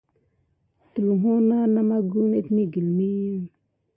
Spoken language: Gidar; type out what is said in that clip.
Tulho na maku net maye dukua kala def mazalakane pay tät de.